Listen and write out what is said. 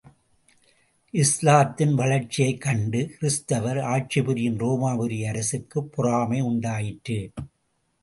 இஸ்லாத்தின் வளர்ச்சியைக் கண்டு, கிறிஸ்துவர் ஆட்சி புரியும் ரோமாபுரி அரசுக்குப் பொறாமை உண்டாயிற்று.